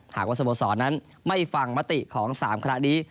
หากว่าสโมสรนั้นไม่ฟังมติของ๓คณะนี้